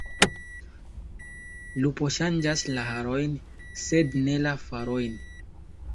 Lupo ŝanĝas la harojn, sed ne la farojn.